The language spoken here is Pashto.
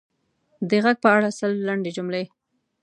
د ږغ په اړه سل لنډې جملې: